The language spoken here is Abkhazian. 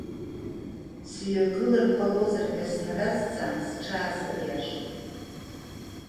Сҩагылар ҟалозар ҳәа снаразҵаан, сҽаасыриашеит.